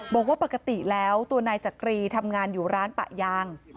บอกว่าปกติแล้วตัวนายจักรีทำงานอยู่ร้านปะยาง